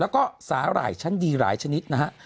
แล้วก็สาหร่ายชั้นดีหลายชนิดนะฮะ